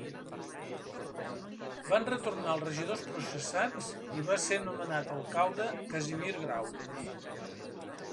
Van retornar els regidors processats i va ser nomenat alcalde Casimir Grau.